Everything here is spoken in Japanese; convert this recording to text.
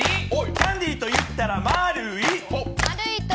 キャンディーといったら丸い。